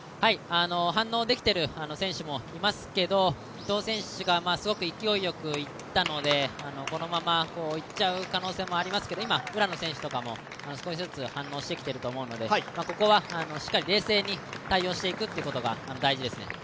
反応できている選手もいますけど伊藤選手がすごく勢いよく行ったのでこのままもう行っちゃう可能性もありますけど、今、浦野選手とかも少しずつ反応してきていると思うのでここはしっかり冷静に対応していくことが大事ですね。